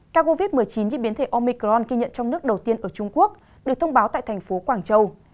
ca covid một mươi chín như biến thể omicron ghi nhận trong nước đầu tiên ở trung quốc được thông báo tại thành phố quảng châu